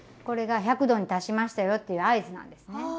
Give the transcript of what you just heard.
これが１００℃に達しましたよっていう合図なんですね。